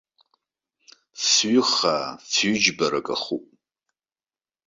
Фҩы хаа, фҩы џьбарак ахуп.